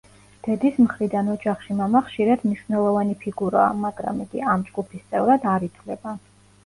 დედის მხრიდან ოჯახში მამა ხშირად მნიშვნელოვანი ფიგურაა, მაგრამ იგი ამ ჯგუფის წევრად არ ითვლება.